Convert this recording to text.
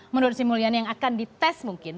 menurut si muliani yang akan dites mungkin